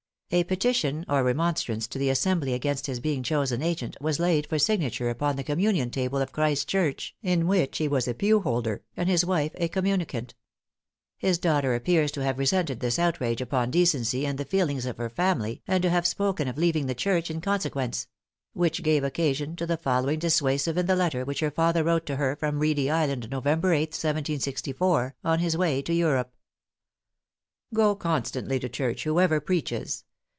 A petition or remonstrance to the Assembly against his being chosen agent, was laid for signature upon the communion table of Christ Church, in which he was a pew holder, and his wife a communicant. His daughter appears to have resented this outrage upon decency and the feelings of her family, and to have spoken of leaving the church in consequence; which gave occasion to the following dissuasive in the letter which her father wrote to her from Reedy Island, November 8th, 1764, on his way to Europe: "Go constantly to church whoever preaches.